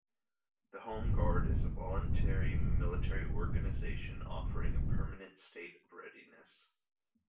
The Home Guard is a volunteer military organization offering a permanent state of readiness.